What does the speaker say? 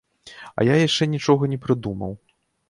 А я яшчэ нічога не прыдумаў.